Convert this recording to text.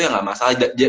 ya gak masalah